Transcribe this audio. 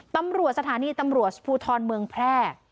ตำรวจสถานีตำรวจภูทรเมืองแพร่